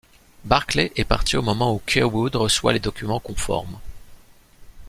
Barclay est parti au moment où Kirkwood reçoit les documents conformes.